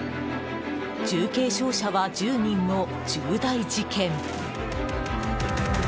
重軽傷者は１０人の重大事件。